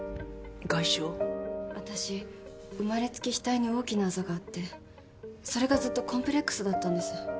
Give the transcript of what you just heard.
私生まれつき額に大きなあざがあってそれがずっとコンプレックスだったんです。